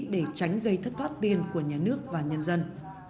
để tránh gây thất thoát tiền của nhà nước và nhân dân